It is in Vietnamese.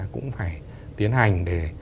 cũng phải tiến hành để